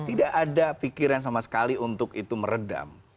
tidak ada pikiran sama sekali untuk itu meredam